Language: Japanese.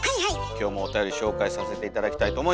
今日もおたより紹介させて頂きたいと思います。